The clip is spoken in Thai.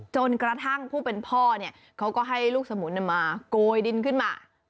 จนกระทั่งผู้เป็นพ่อเนี่ยเขาก็ให้ลูกสมุนมาโกยดินขึ้นมา